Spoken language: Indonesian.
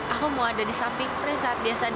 aku mau ada di samping free saat dia sadar